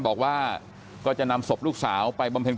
อยู่ดีมาตายแบบเปลือยคาห้องน้ำได้ยังไง